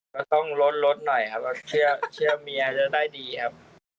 ก็ต้องลดลดหน่อยครับเชื่อเมียจะได้ดีครับ